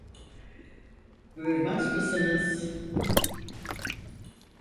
Buyurmaz mısınız?